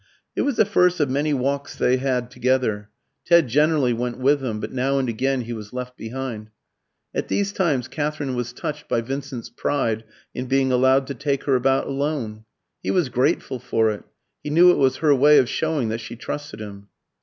It was the first of many walks they had together. Ted generally went with them, but now and again he was left behind. At these times Katherine was touched by Vincent's pride in being allowed to take her about alone. He was grateful for it; he knew it was her way of showing that she trusted him.